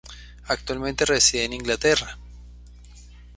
Actualmente reside en Inglaterra.